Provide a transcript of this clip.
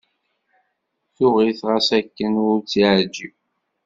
Tuɣ-it ɣas akken ur tt-yeɛjib.